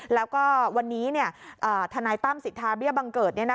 แล้วก็วันนี้ทนายตั้มสิทธาเบี้ยบังเกิด